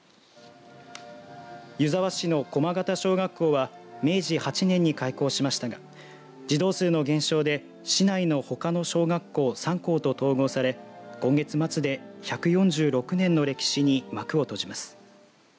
湯沢市の駒形小学校は明治８年に開校しましたが児童数の減少で市内のほかの小学校３校と統合され今月末で１４６年の歴史に幕を閉じます。